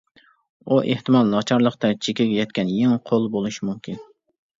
ئۇ ئېھتىمال ناچارلىقتا چېكىگە يەتكەن يېڭى قول بولۇشى مۇمكىن.